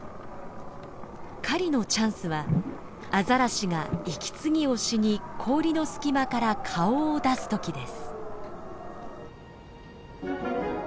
狩りのチャンスはアザラシが息継ぎをしに氷の隙間から顔を出す時です。